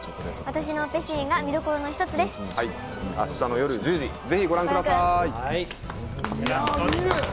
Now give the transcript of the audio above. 私のオペシーンが見どころの明日の夜１０時、ぜひご覧ください。